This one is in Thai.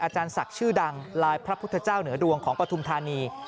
อาจารย์ศักดิ์ชื่อดังลายพระพุทธเจ้าเหนือดวงของปฐุมธานี